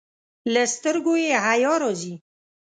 له سترګو یې حیا راځي.